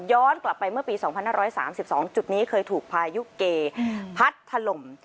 กลับไปเมื่อปี๒๕๓๒จุดนี้เคยถูกพายุเกพัดถล่ม